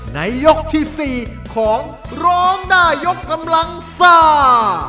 ในยกที่สี่ของรองด่ายกำลังซ่า